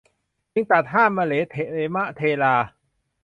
จึงตรัสห้ามมะเหลเถมะเลทา